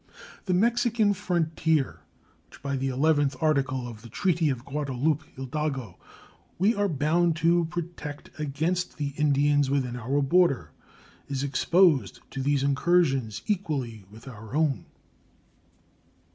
The Mexican frontier, which by the eleventh article of the treaty of Guadalupe Hidalgo we are bound to protect against the Indians within our border, is exposed to these incursions equally with our own.